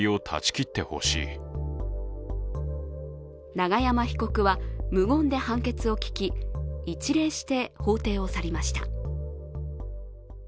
永山被告は無言で判決を聞き一礼して法廷を去りました。